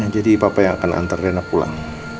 jadi papa yang akan antar rena pulang